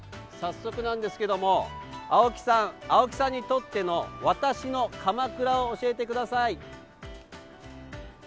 早速なんですけれども青木さんにとっての「わたしの鎌倉」を教えてください。